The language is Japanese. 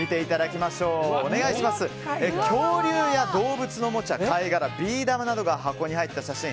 恐竜や動物のおもちゃ、貝殻ビー玉などが箱に入った写真。